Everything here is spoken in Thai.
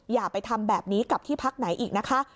อย่าไปทำแบบนี้กับที่พักไหนอีกนะคะ